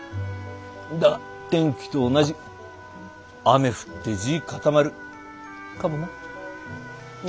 だが天気と同じ「雨降って地固まる」かもな。